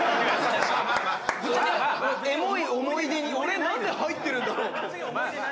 「エモい思い出に俺なんで入ってるんだろう？」